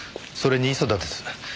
それに磯田です。